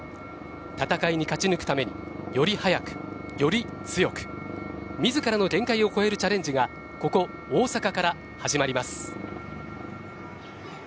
戦いに勝ち抜くためにより速く、より強く自らの限界を超えるチャレンジがここ大阪から始まります。